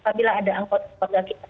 apabila ada anggota keluarga kita